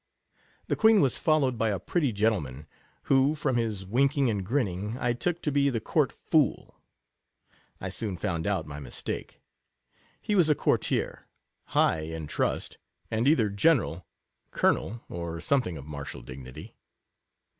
The Queen was followed by a pretty gentleman, who, from his winking and grinning, I took to be the court fool ; I soon found out my mistake. He was a cour tier " high in trust" and either general, colo nel, or something of martial dignity.